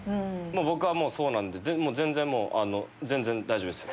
僕はそうなんで全然もう全然大丈夫です。